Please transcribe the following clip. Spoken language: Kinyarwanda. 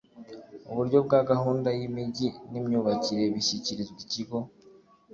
uburyo bwa gahunda y imijyi n imyubakire bishyikirizwa ikigo